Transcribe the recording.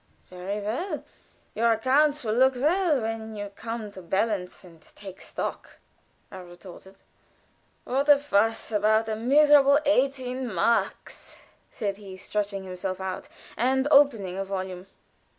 "Very well. Your accounts will look well when you come to balance and take stock," I retorted. "What a fuss about a miserable eighteen marks!" said he, stretching himself out, and opening a volume.